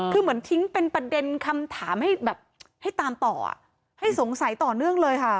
คือเหมือนทิ้งเป็นประเด็นคำถามให้แบบให้ตามต่อให้สงสัยต่อเนื่องเลยค่ะ